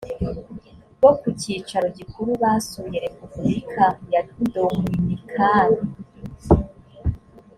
bo ku cyicaro gikuru basuye repubulika ya dominikani